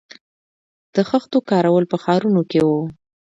د خښتو کارول په ښارونو کې وو